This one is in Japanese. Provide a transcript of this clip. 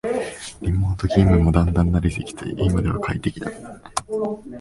リモート勤務もだんだん慣れてきて今では快適だ